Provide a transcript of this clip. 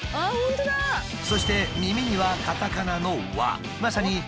そして耳にはカタカナの「ワ」。